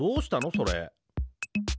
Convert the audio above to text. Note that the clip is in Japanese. それ。